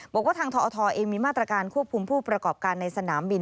บอกว่าทางทอทเองมีมาตรการควบคุมผู้ประกอบการในสนามบิน